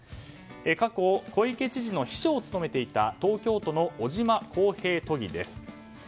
過去、小池知事の秘書を務めていた東京都の尾島都議です。